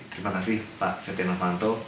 terima kasih pak setia novanto